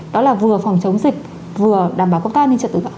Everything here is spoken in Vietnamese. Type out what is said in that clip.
đó là vừa phòng chống dịch vừa đảm bảo công tác an ninh trật tự